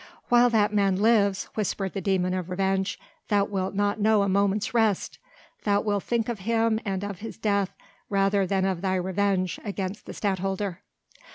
"While that man lives," whispered the demon of revenge, "thou wilt not know a moment's rest. Thou wilt think of him and of his death, rather than of thy vengeance against the Stadtholder."